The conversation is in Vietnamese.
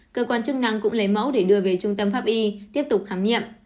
cơ quan chức năng cũng lấy mẫu để đưa về trung tâm pháp y tiếp tục khám nghiệm